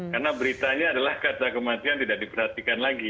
karena beritanya adalah kata kematian tidak diperhatikan